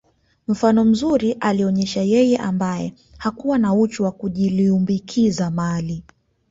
Mfano mzuri alionesha yeye ambae hakuwa na uchu wa kujiliumbikizia mali